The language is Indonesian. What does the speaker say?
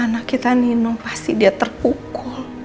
anak kita minum pasti dia terpukul